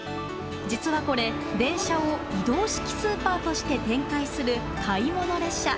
実はこれ、電車を移動式スーパーとして展開する買い物列車。